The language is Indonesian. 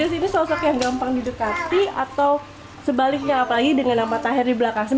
ini sosok yang gampang didekati atau sebaliknya apalagi dengan nama tahir di belakang